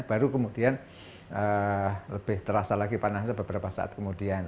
baru kemudian lebih terasa lagi panasnya beberapa saat kemudian